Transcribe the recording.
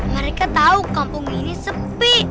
mereka tahu kampung ini sepi